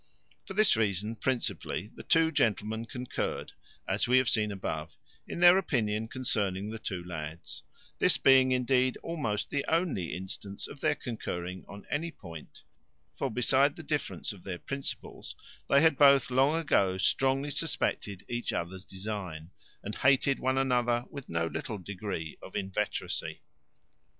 For this reason, principally, the two gentlemen concurred, as we have seen above, in their opinion concerning the two lads; this being, indeed, almost the only instance of their concurring on any point; for, beside the difference of their principles, they had both long ago strongly suspected each other's design, and hated one another with no little degree of inveteracy.